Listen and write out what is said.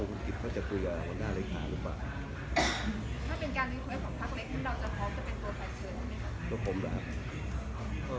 มีการกัดสร้างหัวหน้าภาพเลยค่ะ